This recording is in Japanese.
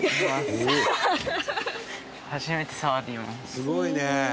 「すごいね！」